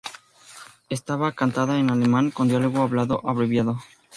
Estaba cantada en alemán, con diálogo hablado abreviado.